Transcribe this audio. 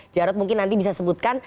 jarod mungkin nanti bisa sebutkan